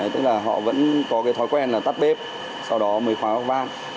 tức là họ vẫn có cái thói quen là tắt bếp sau đó mới khoáng góc vang